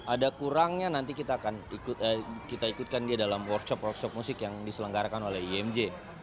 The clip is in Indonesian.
ada kurangnya nanti kita akan ikutkan dia dalam workshop workshop musik yang diselenggarakan oleh imj